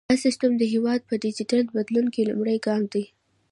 دا سیستم د هیواد په ډیجیټل بدلون کې لومړی ګام دی۔